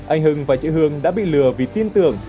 anh hưng và chị hương đã bị lừa vì tin tưởng